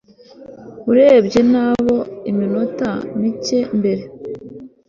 urebye na bo iminota mike mbere